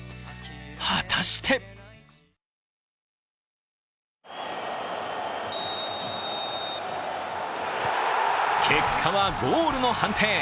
果たして結果はゴールの判定。